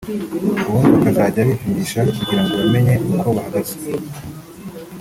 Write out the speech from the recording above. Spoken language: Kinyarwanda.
ubundi bakazajya bipimisha kugira ngo bamenye uko bahagaze